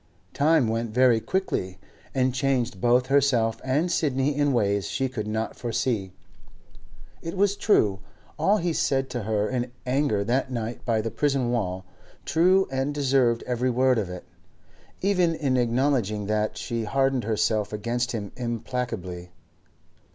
Time went very quickly, and changed both herself and Sidney in ways she could not foresee. It was true, all he said to her in anger that night by the prison wall—true and deserved every word of it. Even in acknowledging that, she hardened herself against him implacably.